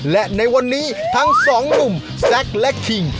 และในวันนี้ทั้งสองหนุ่มแซคและคิง